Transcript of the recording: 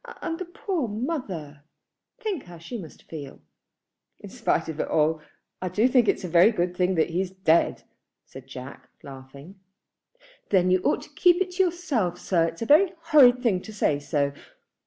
And the poor mother; think how she must feel." "In spite of it all, I do think it's a very good thing that he's dead," said Jack, laughing. "Then you ought to keep it to yourself, sir. It's a very horrid thing to say so.